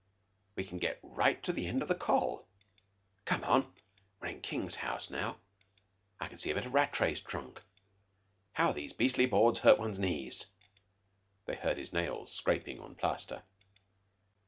We can get right to the end of the Coll. Come on!... We're in King's house now I can see a bit of Rattray's trunk. How these beastly boards hurt one's knees!" They heard his nails scraping, on plaster.